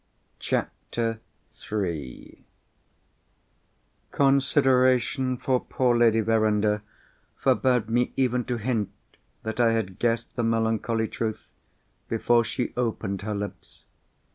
CHAPTER III Consideration for poor Lady Verinder forbade me even to hint that I had guessed the melancholy truth, before she opened her lips.